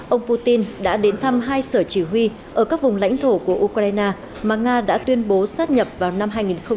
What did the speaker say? ông putin đã đến thăm hai sở chỉ huy ở các vùng lãnh thổ của ukraine mà nga đã tuyên bố sát nhập vào năm hai nghìn một mươi năm